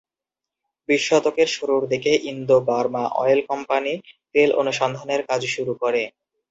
বিশ শতকের শুরুর দিকে ইন্দো-বার্মা অয়েল কোম্পানি তেল অনুসন্ধানের কাজ শুরু করে।